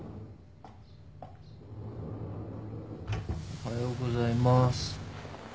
・おはようございます。